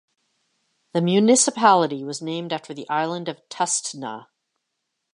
The municipality was named after the island of Tustna.